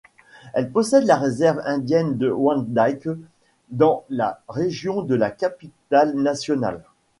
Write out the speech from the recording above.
Elle possède la réserve indienne de Wendake dans la région de la Capitale-Nationale.